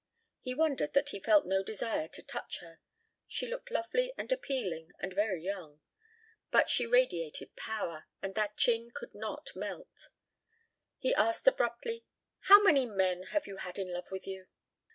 He wondered that he felt no desire to touch her. She looked lovely and appealing and very young. But she radiated power, and that chin could not melt. He asked abruptly: "How many men have you had in love with you?"